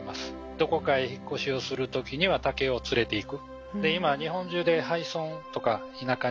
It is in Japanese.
どこかへ引っ越しをする時には竹を連れていく。